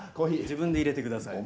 自分で入れてください。